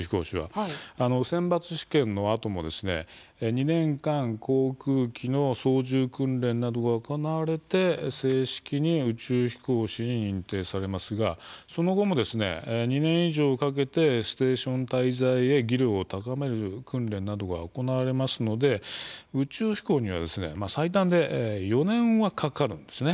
選抜試験のあとも２年間航空機の操縦訓練などが行われて正式に宇宙飛行士に認定されますが、その後も２年以上かけてステーション滞在、技量を高める訓練などが行われますので宇宙飛行には最短で４年はかかるんです。